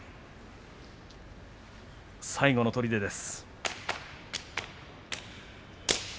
最後のとりでです。